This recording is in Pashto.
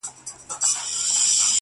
موږه سپارلي دي د ښكلو ولېمو ته زړونه.